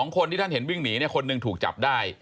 คนที่ท่านเห็นวิ่งหนีคนหนึ่งถูกจับได้